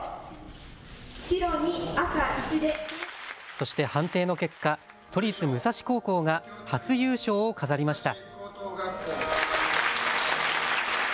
そして判定の結果、都立武蔵高校が初優勝を飾りました。